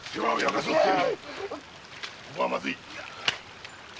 ここはまずい。